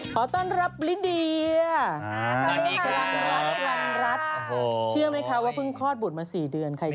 ขอต้อนรับลินทีเชื่อไหมคะว่าเพิ่งคลอดบุตรมา๔เดือนใครจะเชื่อ